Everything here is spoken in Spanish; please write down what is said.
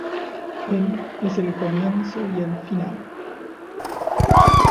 Él es el Comienzo y el Final.